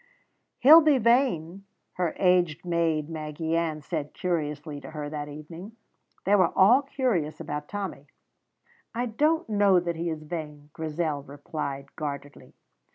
"He'll be vain," her aged maid, Maggy Ann, said curiously to her that evening. They were all curious about Tommy. "I don't know that he is vain," Grizel replied guardedly.